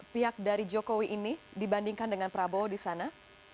pihak dari jokowi ini dibandingkan dengan prabowo di sana